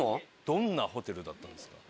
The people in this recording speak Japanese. どんなホテルだったんですか？